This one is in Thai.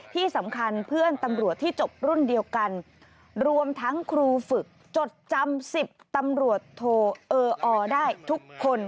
ที่สำคัญเพื่อนตำรวจที่จบรุ่นเดียวกันรวมทั้งครูฝึกจดจำ๑๐ตำรวจโทเอออได้ทุกคน